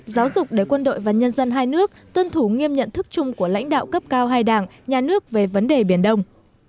giáo dục để quân đội và nhân dân hai nước tuân thủ nghiêm nhận thức chung của lãnh đạo cấp cao hai đảng nhà nước về vấn đề biển đông